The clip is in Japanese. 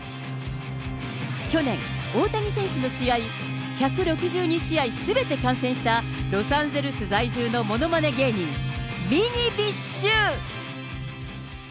去年、大谷選手の試合１６２試合すべて観戦したロサンゼルス在住のものまね芸人、ミニビッシュ。